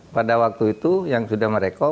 pada waktu itu yang sudah merekod